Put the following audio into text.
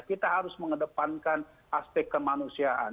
kita harus mengedepankan aspek kemanusiaan